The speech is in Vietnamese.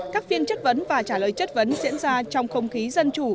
các phiên chất vấn và trả lời chất vấn diễn ra trong không khí dân chủ